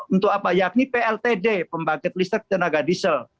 untuk apa yakni pltd pembangkit listrik tenaga diesel